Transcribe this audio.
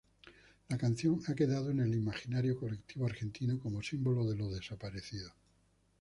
La canción ha quedado en el imaginario colectivo argentino como símbolo de los desaparecidos.